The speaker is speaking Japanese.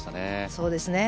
そうですね。